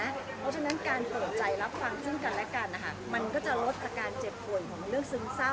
เพราะฉะนั้นการโปรดใจรับฟังซึ่งกันและกันมันก็จะลดจากการเจ็บผ่วนของเรื่องซึ้งเศร้า